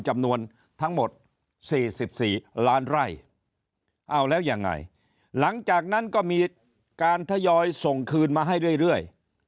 จำนวนทั้งหมด๔๔ล้านไร่เอาแล้วยังไงหลังจากนั้นก็มีการทยอยส่งคืนมาให้เรื่อย